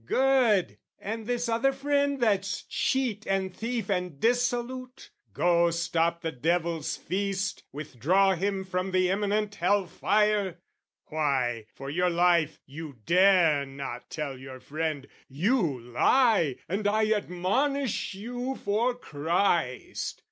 Good, and this other friend that's cheat and thief And dissolute, go stop the devil's feast, Withdraw him from the imminent hell fire! Why, for your life, you dare not tell your friend "You lie, and I admonish you for Christ!"